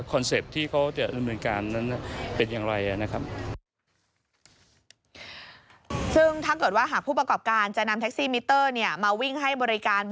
คอนเซปที่เขาจะดำเนินการ